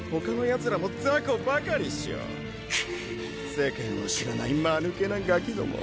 世間を知らない間抜けなガキども。